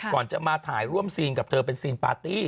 ก่อนจะมาถ่ายร่วมซีนกับเธอเป็นซีนปาร์ตี้